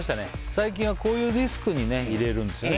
最近はこういうディスクにね入れるんですね